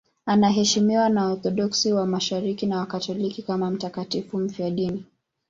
Anaheshimiwa na Waorthodoksi wa Mashariki na Wakatoliki kama mtakatifu mfiadini.